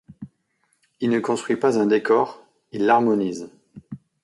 Il ne construit pas un décor, il l'harmonise.